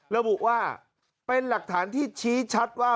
ระบุว่าเป็นหลักฐานที่ชี้ชัดว่า